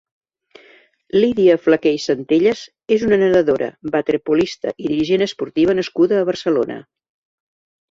Lidia Flaqué i Centellas és una nedadora, waterpolista i dirigent esportiva nascuda a Barcelona.